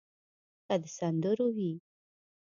که د سندرو وي.